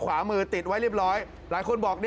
ขวามือติดไว้เรียบร้อยหลายคนบอก